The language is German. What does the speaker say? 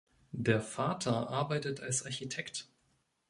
Der Vater arbeitet als Architekt.